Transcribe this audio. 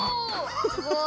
すごい。